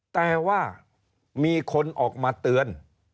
แต่ว่ามีคนออกมาเตือน